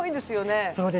そうですね。